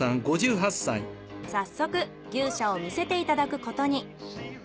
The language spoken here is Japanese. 早速牛舎を見せていただくことに。